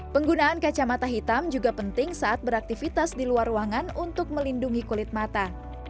penggunaan kacamata hitam juga penting saat beraktivitas di luar ruangan untuk melindungi kulit mata